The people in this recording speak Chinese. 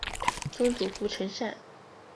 曾祖父陈善。